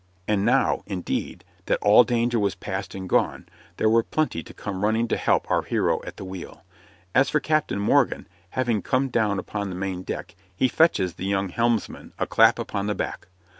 And now, indeed, that all danger was past and gone, there were plenty to come running to help our hero at the wheel. As for Captain Morgan, having come down upon the main deck, he fetches the young helmsman a clap upon the back.